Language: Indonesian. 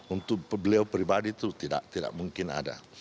untuk beliau pribadi itu tidak mungkin ada